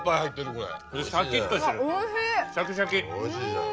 これ。